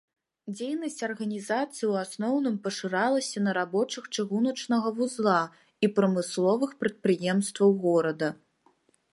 Дзейнасць арганізацыі ў асноўным пашыралася на рабочых чыгуначнага вузла і прамысловых прадпрыемстваў горада.